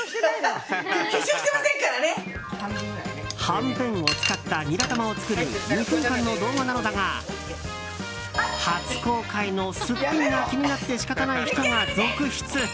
はんぺんを使ったニラ玉を作る２分間の動画なのだが初公開のすっぴんが気になって仕方ない人が続出。